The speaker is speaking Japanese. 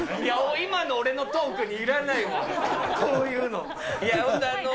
今の俺のトークにいらないのよ、こういうの。